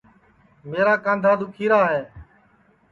میرا کاںٚدھا دُؔکھی را ہے